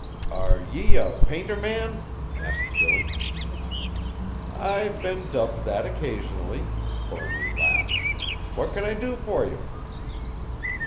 "Are ye a painter man?" asked Billy. "I've been dubbed that occasionally." Thornly laughed. "What can I do for you?"